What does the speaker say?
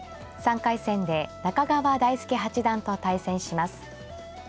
３回戦で中川大輔八段と対戦します。